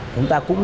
chúng ta cũng